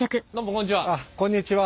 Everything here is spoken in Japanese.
こんにちは。